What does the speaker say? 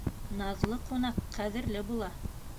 Наҙлы ҡунаҡ ҡәҙерле була.